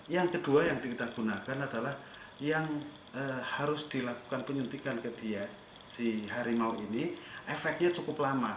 yang kedua yang kita gunakan adalah yang harus dilakukan penyuntikan ke dia si harimau ini efeknya cukup lama